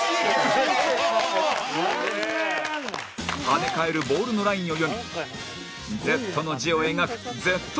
跳ね返るボールのラインを読み「Ｚ」の字を描く Ｚ ショット